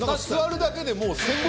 座るだけでもう。